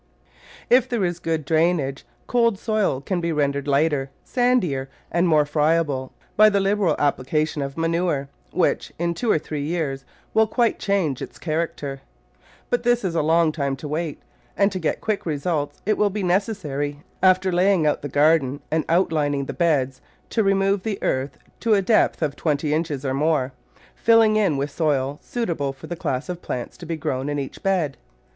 If there is good drainage, cold soil can be rendered lighter, sandier and more friable by the liberal applica tion of manure, which in two or three years will quite change its character. But this is a long time to wait, and to get quick results it will be necessary, after lay ing out the garden and outlining the beds, to remove the earth to a depth of twenty inches or more, filling in with soil suitable for the class of plants to be grown in each bed.